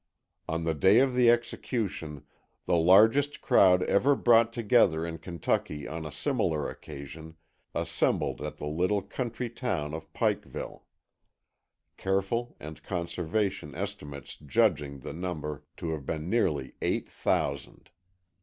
On the day of the execution the largest crowd ever brought together in Kentucky on a similar occasion assembled at the little country town of Pikeville, careful and conservative estimates judging the number to have been nearly eight thousand.